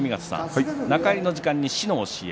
中入りの時間に「師の教え」